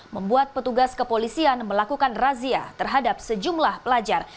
membuat petugas kepolisian melakukan razia terhadap sejumlah pelajar